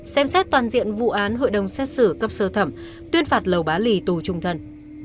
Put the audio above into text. xem xét toàn diện vụ án hội đồng xét xử cấp sơ thẩm tuyên phạt lầu bá lì tù trung thân